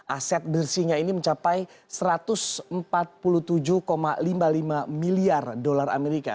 aset bersihnya ini mencapai satu ratus empat puluh tujuh lima puluh lima miliar dolar amerika